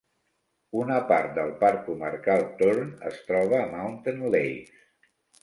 Una part del parc comarcal Tourne es troba a Mountain Lakes.